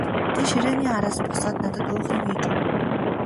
Тэр ширээний араас босоод надад уух юм хийж өгөв.